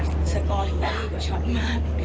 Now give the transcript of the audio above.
จบมาสกอร์ถึงว่าดีกว่าช็อตมาก